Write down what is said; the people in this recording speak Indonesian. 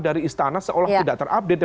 dari istana seolah tidak terupdate